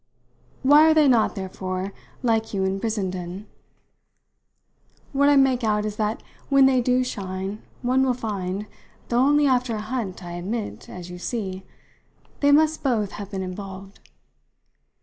Why are they not, therefore, like you and Brissenden? What I make out is that when they do shine one will find though only after a hunt, I admit, as you see they must both have been involved.